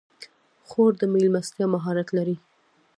خور د میلمستیا مهارت لري.